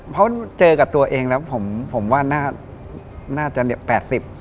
เพราะเจอกับตัวเองแล้วผมผมว่าน่าจะแปดสิบ